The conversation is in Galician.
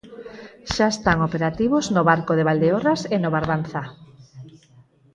Xa están operativos no Barco de Valdeorras e no Barbanza.